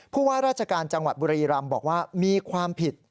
ผู้ว่าราชการจังหวัดบุรีรำบอกว่ามีความผิด